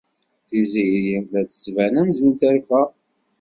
Tiziri la d-tettban amzun terfa.